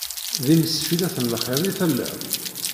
D imsfillet n lxir i telliḍ?